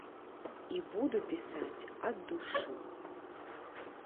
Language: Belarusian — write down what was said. І буду пісаць ад душы.